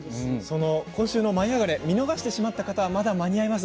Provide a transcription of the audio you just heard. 今週の「舞いあがれ！」を見逃してしまった方はまだ間に合います。